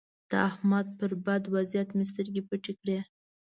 د احمد پر بد وضيعت مې سترګې پټې کړې.